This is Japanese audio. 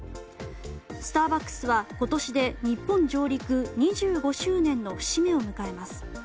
スターバックスは今年で日本上陸２５周年の節目を迎えます。